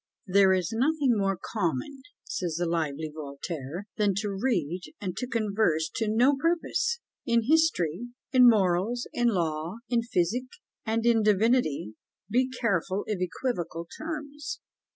"There is nothing more common," says the lively Voltaire, "than to read and to converse to no purpose. In history, in morals, in law, in physic, and in divinity, be careful of equivocal terms."